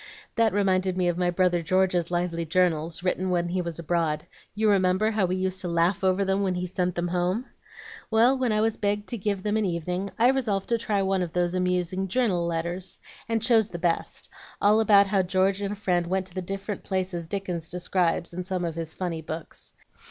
That reminded me of my brother George's lively journals, written when he was abroad. You remember how we used to laugh over them when he sent them home? Well, when I was begged to give them an evening, I resolved to try one of those amusing journal letters, and chose the best, all about how George and a friend went to the different places Dickens describes in some of his funny books.